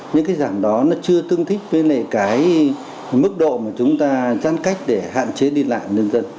những cái giảm đó nó chưa tương thích với cái mức độ mà chúng ta giãn cách để hạn chế đi lạm dân dân